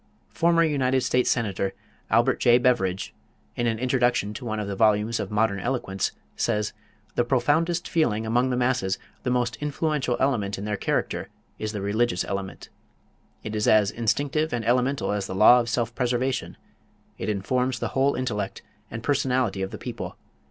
Former United States Senator Albert J. Beveridge in an introduction to one of the volumes of "Modern Eloquence," says: "The profoundest feeling among the masses, the most influential element in their character, is the religious element. It is as instinctive and elemental as the law of self preservation. It informs the whole intellect and personality of the people.